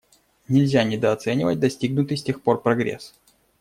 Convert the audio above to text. Нельзя недооценивать достигнутый с тех пор прогресс.